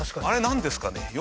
あれなんですかね？